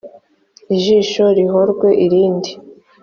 ijisho rihorwe irindi,